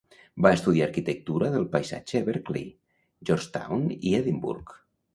Va estudiar arquitectura del paisatge a Berkeley, Georgetown i Edimburg.